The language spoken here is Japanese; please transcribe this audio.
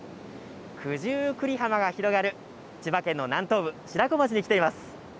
九十九里浜が広がる、千葉県の南東部、白子町に来ています。